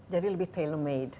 jadi lebih tailor made